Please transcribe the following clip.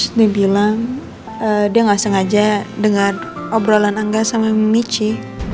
terus dia bilang dia gak sengaja denger obrolan angga sama mimichi